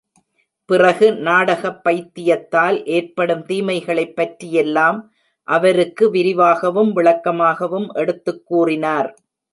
பிறகு நாடகப் பைத்தியத்தால் ஏற்படும் தீமைகளைப் பற்றியெல்லாம் அவருக்கு விரிவாகவும் விளக்கமாகவும் எடுத்துக் கூறினார்.